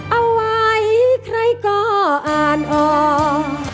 เอาไว้ใครก็อ่านออก